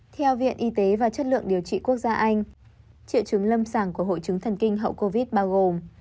theo viện y tế và chất lượng điều trị quốc gia anh triệu chứng lâm sàng của hội chứng thần kinh hậu covid bao gồm